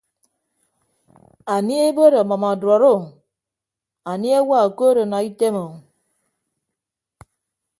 Anie ebod ọmʌm ọduọd o anie ewa okood ọnọ item o.